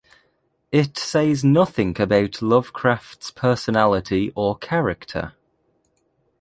It says nothing about Lovecraft's personality or character.